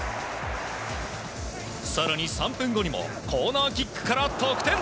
更に３分後にもコーナーキックから得点。